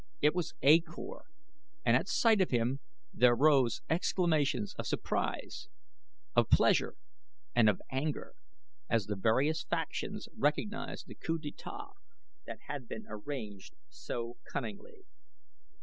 It was A Kor, and at sight of him there rose exclamations of surprise, of pleasure, and of anger, as the various factions recognized the coup d'etat that had been arranged so cunningly.